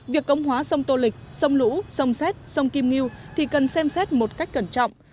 việc công hóa sông tô lịch sông lũ sông xét sông kim nghiêu thì cần xem xét một cách cẩn trọng